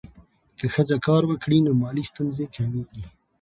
که ښځه کار وکړي، نو مالي ستونزې کمېږي.